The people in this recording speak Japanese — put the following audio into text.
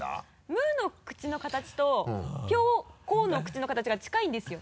「む」の口の形と「ぴょこ」の口の形が近いんですよ。